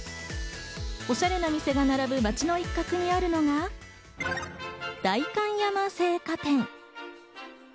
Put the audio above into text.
おしゃれな店が並ぶ街の一角にあるのが代官山青果店。